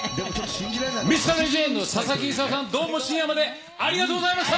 ミスターレジェンド、ささきいさおさん、どうも深夜までありがとうございました。